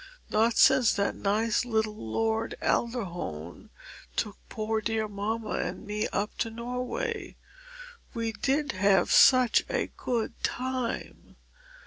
not since that nice little Lord Alderhone took poor dear mamma and me up to Norway. We did have such a good time!